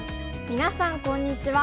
みなさんこんにちは。